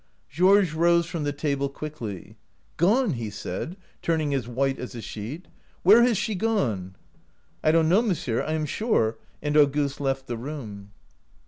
" Georges rose from the table quickly. 'Gone!' he said, turning as white as a sheet. 'Where has she gone? 1 "' I don't know, monsieur, I am sure, 1 and Auguste left the room.